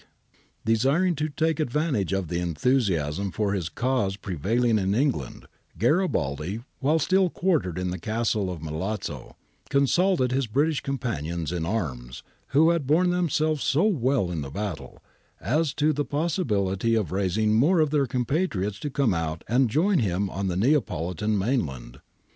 7 98 GARIBALDI AND THE MAKING OF ITALY Desiring to take advantage of the enthusiasm for his cause prevailing in England, Garibaldi, while still quartered in the castle of Milazzo, consulted his British companions in arms, who had borne themselves so well in the battle, as to the possibility of raising more of their compatriots to come out and join him on the Neapolitan mainland.